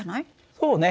そうね